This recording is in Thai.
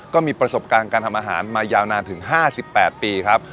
ก็มีประสบการณ์การทำอาหารมายาวนานถึง๕๘ปีครับ